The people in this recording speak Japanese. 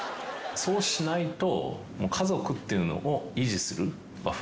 そうしないと。